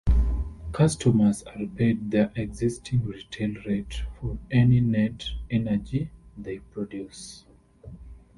Customers are paid their existing retail rate for any net energy they produce.